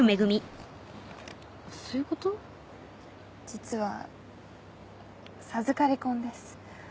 実は授かり婚です。